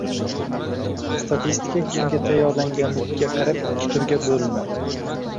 Statistika kimga tayyorlanganiga qarab ikki turga bo'linadi: